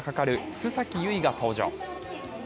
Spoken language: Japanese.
須崎優衣が登場。